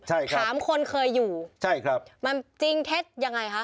ถามคนเคยอยู่ใช่ครับมันจริงเท็จอย่างไรคะ